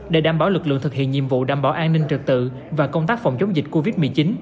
để đảm bảo lực lượng thực hiện nhiệm vụ đảm bảo an ninh trực tự và công tác phòng chống dịch covid một mươi chín